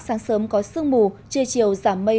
sáng sớm có sương mù trê chiều giảm mây